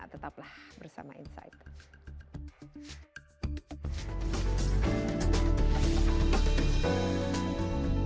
tetaplah bersama insight